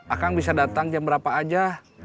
akang bisa datang jam berapa aja